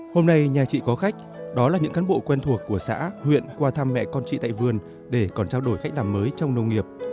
hôm nay nhà chị có khách đó là những cán bộ quen thuộc của xã huyện qua thăm mẹ con chị tại vườn để còn trao đổi cách làm mới trong nông nghiệp